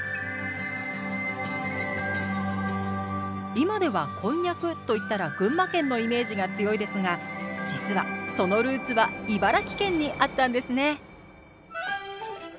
今ではこんにゃくと言ったら群馬県のイメージが強いですが実はそのルーツは茨城県にあったんですね